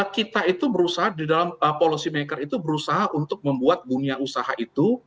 kita itu berusaha di dalam policy maker itu berusaha untuk membuat dunia usaha itu